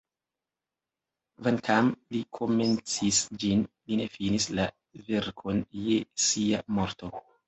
Kvankam Li komencis ĝin, Li ne finis la verkon je Sia morto.